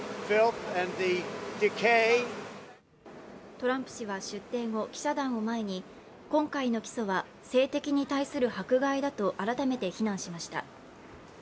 トランプ氏は出廷後、記者団を前に今回の起訴は政敵に対する迫害だと改めて非難しました。